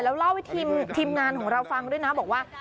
แล้วเล่าให้ทีมงานของเราฟังด้วยนะบอกว่า